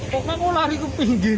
pokoknya mau lari ke pinggir